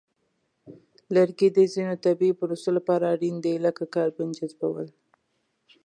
لرګي د ځینو طبیعی پروسو لپاره اړین دي، لکه کاربن جذبول.